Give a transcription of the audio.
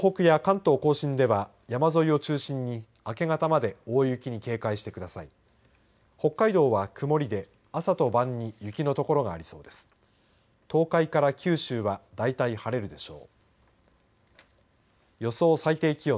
東海から九州はだいたい晴れるでしょう。